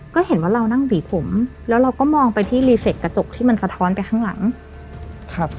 ก็เห็นว่าเรานั่งหวีผมแล้วเราก็มองไปที่รีเซคกระจกที่มันสะท้อนไปข้างหลังครับ